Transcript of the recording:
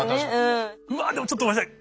うわっでもちょっとごめんなさい。